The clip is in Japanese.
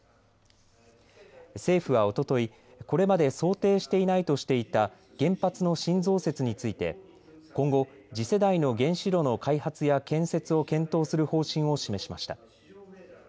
政府はおととい、これまで想定していないとしていた原発の新増設について今後、次世代の原子炉の開発や建設を検討する方針を示しました。